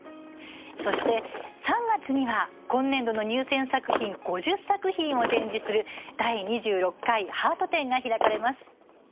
そして３月には、今年度の入選作品５０作品を展示する第２６回ハート展が開かれます。